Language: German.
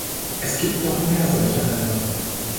Es gibt noch mehr solcher Länder.